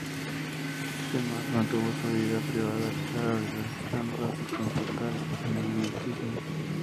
Mantuvo su vida privada alejada de los escándalos y con total hermetismo.